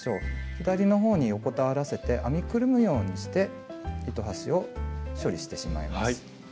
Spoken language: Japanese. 左の方に横たわらせて編みくるむようにして糸端を処理してしまいます。